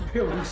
dia orang sia